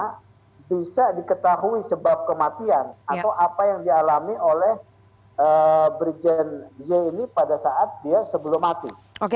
karena bisa diketahui sebab kematian atau apa yang dialami oleh brigjen j ini pada saat dia sebelum mati